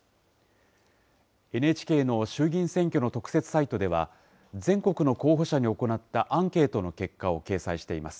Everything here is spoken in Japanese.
ＮＨＫの衆議院選挙の特設サイトでは、全国の候補者に行ったアンケートの結果を掲載しています。